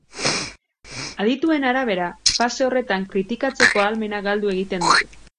Adituen arabera, fase horretan kritikatzeko ahalmena galdu egiten dugu.